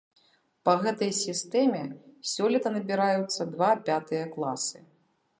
Па гэтай сістэме сёлета набіраюцца два пятыя класы.